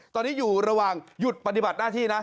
ตอนนี้อยู่ระหว่างหยุดปฏิบัติหน้าที่นะ